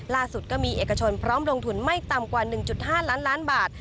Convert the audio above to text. ล่าสุดก็มีเอกชนพร้อมลงทุนไม่ต่ำกว่า๑๕ล้านล้านบาท